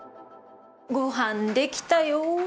ごはんできたよ。